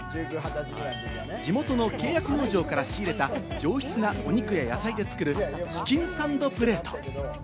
地元の契約農場から仕入れた、上質なお肉や野菜で作るチキンサンドプレート。